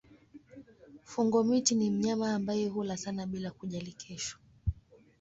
Fungo-miti ni mnyama ambaye hula sana bila kujali kesho.